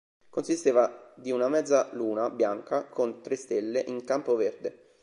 Consisteva di una mezzaluna bianca, con tre stelle, in campo verde.